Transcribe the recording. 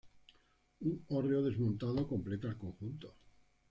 Un hórreo desmontado completa el conjunto.